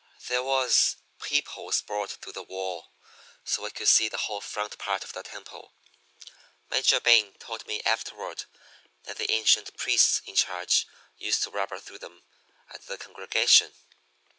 There was peep holes bored through the wall, so we could see the whole front part of the temple. Major Bing told me afterward that the ancient priests in charge used to rubber through them at the congregation.